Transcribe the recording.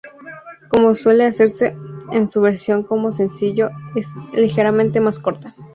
Como suele hacerse, en su versión como sencillo es ligeramente más corta.